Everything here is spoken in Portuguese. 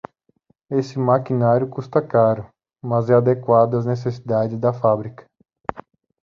Esse maquinário custa caro, mas é adequado às necessidades da fábrica